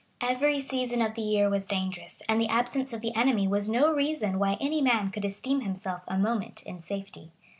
Every season of the year was dangerous, and the absence of the enemy was no reason why any man could esteem himself a moment in safety.